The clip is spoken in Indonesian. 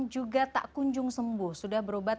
juga tak kunjung sembuh sudah berobat